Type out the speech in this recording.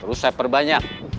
terus saya perbanyak